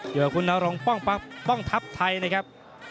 อยู่กับคุณนรงป้องทัพไทยนะครับ